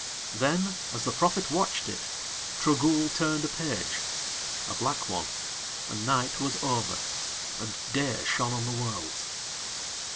Then as the prophet watched It, Trogool turned a page a black one, and night was over, and day shone on the Worlds.